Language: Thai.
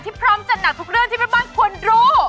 พร้อมจัดหนักทุกเรื่องที่แม่บ้านควรรู้